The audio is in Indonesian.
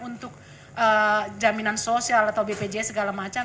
untuk jaminan sosial atau bpjs segala macam